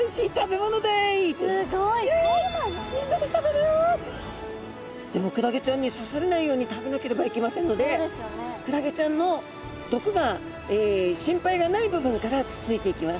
でもクラゲちゃんに刺されないように食べなければいけませんのでクラゲちゃんの毒が心配がない部分からつついていきます。